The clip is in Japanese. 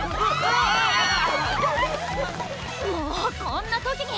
もうこんな時に！